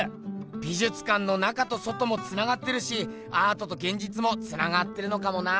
美じゅつかんの中と外もつながってるしアートとげんじつもつながってるのかもな。